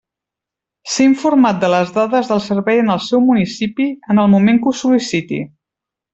Ser informat de les dades del servei en el seu municipi, en el moment que ho sol·liciti.